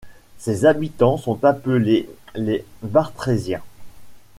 Ses habitants sont appelés les Bartrésiens.